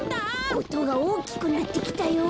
おとがおおきくなってきたよ。